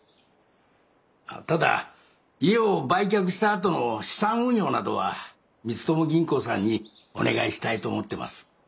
ただ家を売却したあとの資産運用などは光友銀行さんにお願いしたいと思ってます。